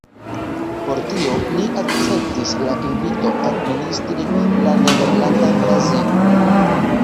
Pro tio, li akceptis la inviton administri la Nederlandan Brazilon.